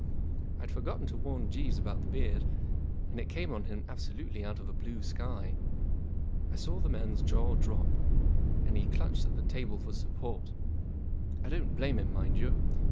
I had forgotten to warn Jeeves about the beard, and it came on him abso¬ lutely out of a blue sky. I saw the man's jaw drop, and he clutched at the table for support. I don't blame him, rrtind you.